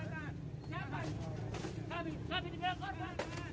kami diberi korban